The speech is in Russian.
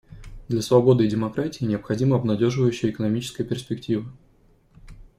Для свободы и демократии необходима обнадеживающая экономическая перспектива.